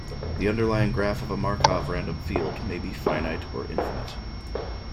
The underlying graph of a Markov random field may be finite or infinite.